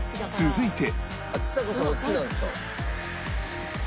続いて